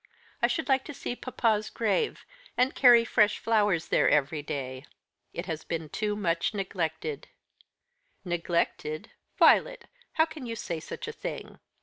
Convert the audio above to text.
I should like to see papa's grave, and carry fresh flowers there every day. It has been too much neglected." "Neglected, Violet! How can you say such a thing?